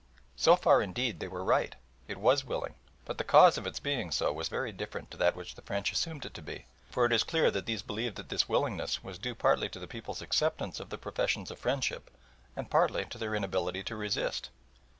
So far, indeed, they were right it was willing, but the cause of its being so was very different to that which the French assumed it to be, for it is clear that these believed that this willingness was due partly to the people's acceptance of their professions of friendship and partly to their inability to resist.